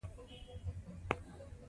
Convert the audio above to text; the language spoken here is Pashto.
د ننګرهار پوهنې رياست ښه نوښت کړی دی.